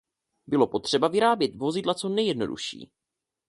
Bylo potřeba vyrábět vozidla co nejjednodušší.